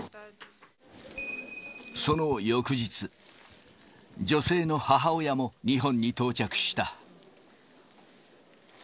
その翌日、女性の母親も日本に到着した。